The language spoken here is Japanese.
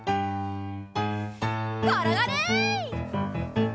ころがれ！